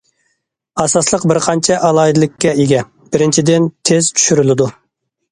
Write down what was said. ئاساسلىق بىرقانچە ئالاھىدىلىككە ئىگە: بىرىنچىدىن، تېز چۈشۈرۈلىدۇ.